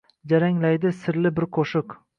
Jaranglaydi sirli bir qo’shiq…